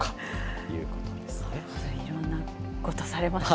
いろんなことされますね。